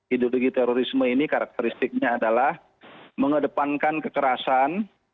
ideologi terorisme ini karakteristiknya adalah mengedepankan kekerasan